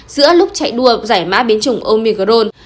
giữa lúc chạy đua giải má biến chủng omicron